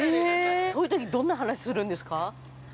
◆そういうときどんな話するんですか。